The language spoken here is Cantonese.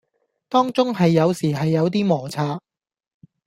當中係有時係有啲磨擦